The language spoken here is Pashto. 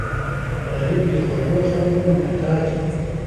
غریب د خوږو خبرو محتاج وي